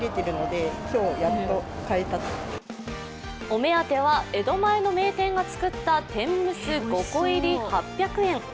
お目当ては、江戸前の名店が作った天むす５個入り８００円。